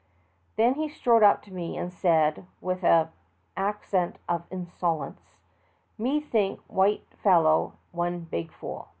Then he strode up to me and said, with an accent of insolence : "Me think white fellow one big fool."